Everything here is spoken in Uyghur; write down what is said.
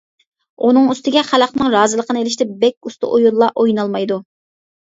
ئۇنىڭ ئۈستىگە خەلقنىڭ رازىلىقىنى ئېلىشتا بەك ئۇستا ئويۇنلار ئوينالمايدۇ.